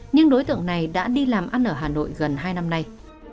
nhưng đối tượng này đã đi làm ăn ở hà nội gần hai năm nay